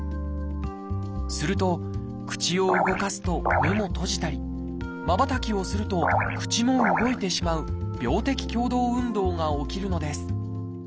すると口を動かすと目も閉じたりまばたきをすると口も動いてしまう病的共同運動が起きるのです